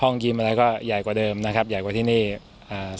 กินอะไรก็ใหญ่กว่าเดิมนะครับใหญ่กว่าที่นี่อ่า